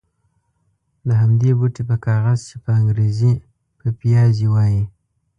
د همدې بوټي په کاغذ چې په انګرېزي پپیازي وایي.